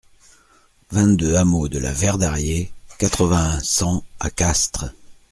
vingt-deux hameau de la Verdarié, quatre-vingt-un, cent à Castres